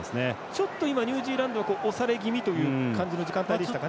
ちょっと今ニュージーランドは押され気味という時間帯でしたかね。